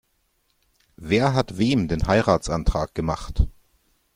Wer hat wem den Heiratsantrag gemacht?